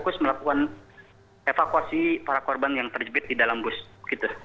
kita masih melakukan evakuasi para korban yang terjepit di dalam bus begitu